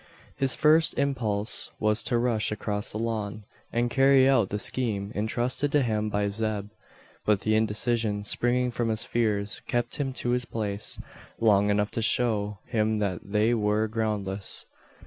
His first impulse was to rush across the lawn, and carry out the scheme entrusted to him by Zeb. But the indecision springing from his fears kept him to his place long enough to show him that they were groundless.